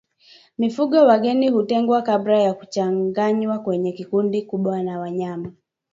Mifugo wageni hutengwa kabla ya kuchanganywa kwenye kundi kubwa la wanyama